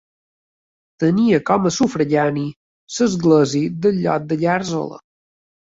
Tenia com a sufragània l'església del lloc de Gàrzola.